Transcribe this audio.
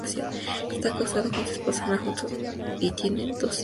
Está casado con su esposa Ana y juntos tienen dos hijos: Martin y Vicente.